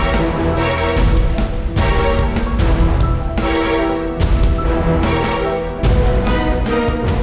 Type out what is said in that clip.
tidak ada jalan muktu